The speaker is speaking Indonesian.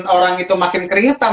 orang itu makin keringetan